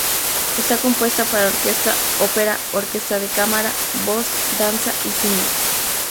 Está compuesta para orquesta, ópera, orquesta de cámara, voz, danza y cine.